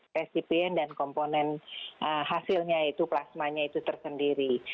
resipien dan komponen hasilnya itu plasmanya itu tersendiri